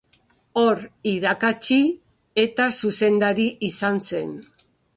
Hor irakatsi eta zuzendari izan zen.